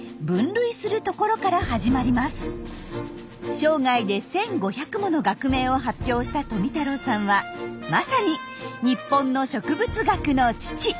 生涯で１５００もの学名を発表した富太郎さんはまさに日本の植物学の父。